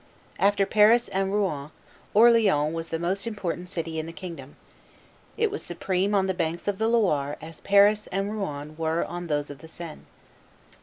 After Paris and Rouen, Orleans was the most important city in the kingdom; it was as supreme on the banks of the Loire as Paris and Rouen were on those of the Seine.